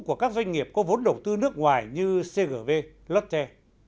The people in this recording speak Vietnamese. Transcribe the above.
của các doanh nghiệp có vốn đầu tư nước ngoài như cgv lotte